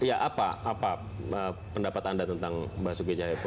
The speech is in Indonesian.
ya apa pendapat anda tentang basuki cahayapurnama